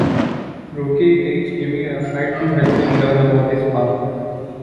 Roquette takes Jimmy aside to help him learn about his powers.